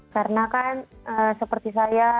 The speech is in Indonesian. karena kan seperti saya